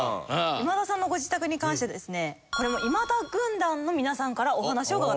今田さんのご自宅に関してですねこれも今田軍団の皆さんからお話を伺っています。